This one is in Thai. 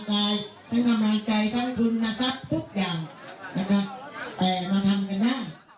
แต่มาทำกันได้